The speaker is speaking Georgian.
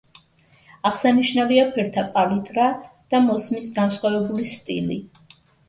აღსანიშნავია ფერთა პალიტრა და მოსმის განსხვავებული სტილი.